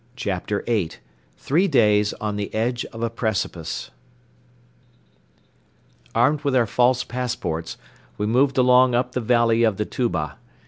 CHAPTER VIII THREE DAYS ON THE EDGE OF A PRECIPICE Armed with our false passports, we moved along up the valley of the Tuba.